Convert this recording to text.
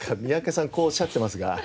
こうおっしゃってますが。